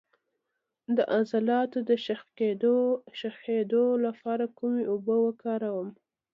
د عضلاتو د شخیدو لپاره کومې اوبه وکاروم؟